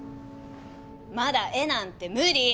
まだ絵なんて無理！